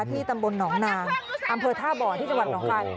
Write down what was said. ที่ตำบลหนองนางอำเภอท่าบ่อที่จังหวัดหนองคาย